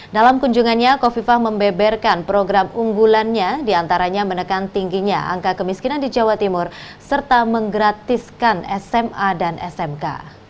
dalam kunjungannya kofifa membeberkan program unggulannya diantaranya menekan tingginya angka kemiskinan di jawa timur serta menggratiskan sma dan smk